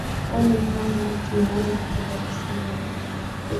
oni hapa tunaona afrika kusini na